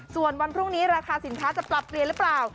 ส่วนวันพรุ่งนี้ราคาสินค้าจะปรับเปลี่ยนหรือเปล่า